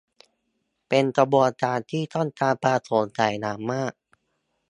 เป็นกระบวนการที่ต้องการความโปร่งใสอย่างมาก